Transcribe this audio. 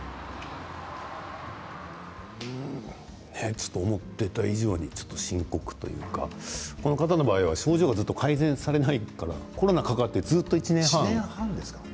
ちょっと思っていた以上に深刻というかこの方の場合は症状が改善されないからコロナにかかって１年半ですよね